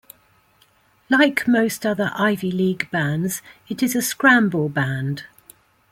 Like most other Ivy League bands, it is a scramble band.